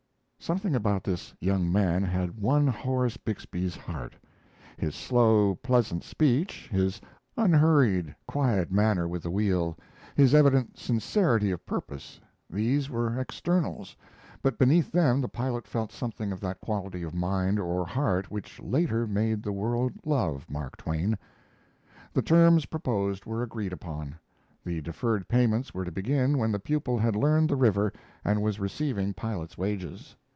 Something about this young man had won Horace Bixby's heart. His slow, pleasant speech; his unhurried, quiet manner with the wheel, his evident sincerity of purpose these were externals, but beneath them the pilot felt something of that quality of mind or heart which later made the world love Mark Twain. The terms proposed were agreed upon. The deferred payments were to begin when the pupil had learned the river and was receiving pilot's wages.